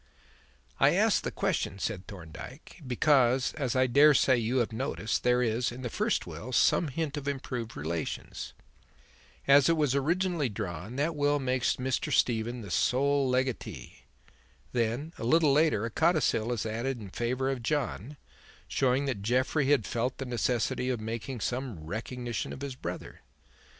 "I ask the question," said Thorndyke, "because, as I dare say you have noticed, there is, in the first will, some hint of improved relations. As it was originally drawn that will makes Mr. Stephen the sole legatee. Then, a little later, a codicil is added in favour of John, showing that Jeffrey had felt the necessity of making some recognition of his brother.